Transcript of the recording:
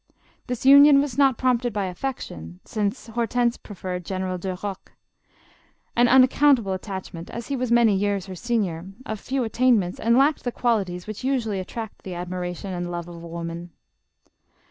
This union was not prompted by affection, since Hortense preferred Gen eral Duroc — an unaccountable attachment, as he was many years her senior, of few attainments, and lacked the qualities which usually attract the admiration and love of woman.